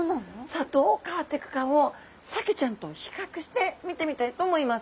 さあどう変わっていくかをサケちゃんと比較して見てみたいと思います。